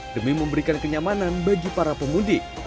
demi memberikan kenyamanan bagi para pemudik